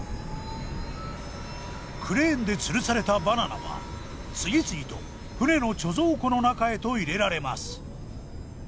クレーンでつるされたバナナは次々と船の貯蔵庫の中へと入れられます。